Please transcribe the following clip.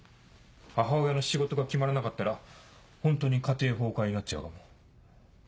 母親の仕事が決まらなかったらホントに家庭崩壊になっちゃうかも。